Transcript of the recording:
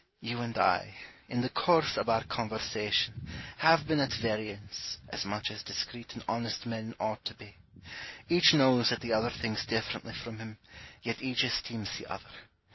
You and I, in the course of our conversation, have been at variance, as much as discreet and honest men ought to be : each knows that the other thinks differently from him, yet each esteems the other.